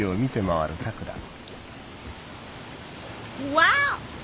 ワオ！